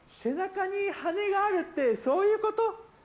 背中に羽根があるってそういうこと？